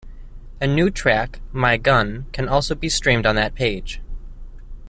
A new track "My Gun" can also be streamed on that page.